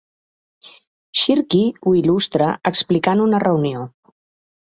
Shirky ho il·lustra explicant una reunió.